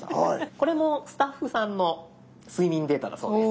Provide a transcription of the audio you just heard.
これもスタッフさんの睡眠データだそうです。